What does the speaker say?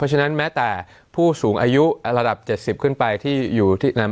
ฉะนั้นแม้แต่ผู้สูงอายุระดับ๗๐ขึ้นไปที่อยู่ที่นำ